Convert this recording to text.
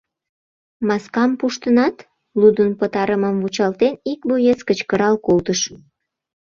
Маскам пуштынат? — лудын пытарымым вучалтен, ик боец кычкырал колтыш.